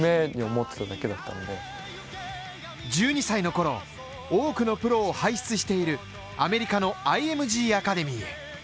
１２歳のころ、多くのプロを輩出しているアメリカのＩＭＧアカデミーへ。